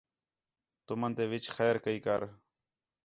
تُمن تے وِِچ خیر کَئی کر